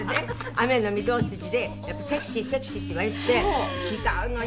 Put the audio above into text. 『雨の御堂筋』でセクシーセクシーって言われて違うのにねって。